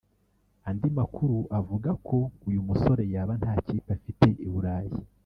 Andi makuru avuga ko uyu musore yaba nta kipe afite I Burayi